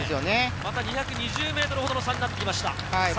また２２０ｍほどの差になってきました。